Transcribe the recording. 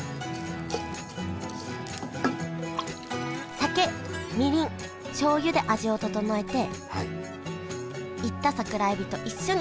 酒・みりん・しょうゆで味を調えて煎った桜えびと一緒に炊き込みます